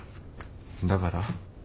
だから？